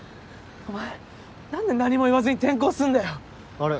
お前何で何も言わずに転校すんだよ？あれ？